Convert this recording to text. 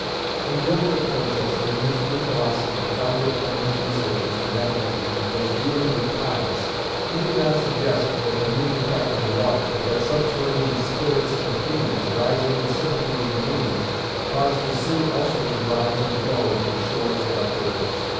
When Gilbert of Colchester, in his "New Philosophy," founded on his researches in magnetism, was dealing with tides, he did not suggest that the moon attracted the water, but that "subterranean spirits and humours, rising in sympathy with the moon, cause the sea also to rise and flow to the shores and up rivers".